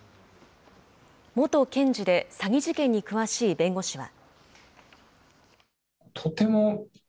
元検事で、詐欺事件に詳しい弁護士は。